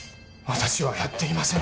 私はやっていません